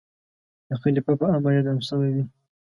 د خلیفه په امر اعدام شوی وي.